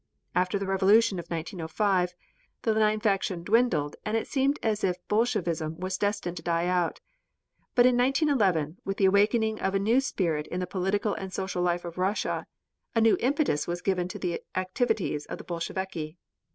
After the Revolution of 1905, the Lenine faction dwindled and it seemed as if Bolshevism was destined to die out. But in 1911, with the awakening of a new spirit in the political and social life of Russia, a new impetus was given to the activities of the Bolsheviki.